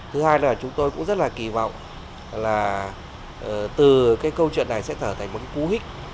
thứ hai là chúng tôi cũng rất kỳ vọng là từ câu chuyện này sẽ thở thành một cú hích